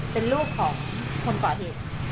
เป็นลูกของคนก่อเหตุ